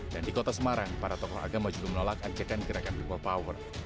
dan di kota semarang para tokoh agama juga menolak anjakan gerakan people power